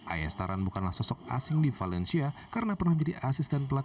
ayastaran bukanlah sosok asing di valencia karena pernah menjadi asisten pelukis